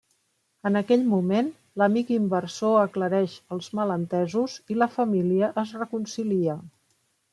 En aquell moment l’amic inversor aclareix els malentesos i la família es reconcilia.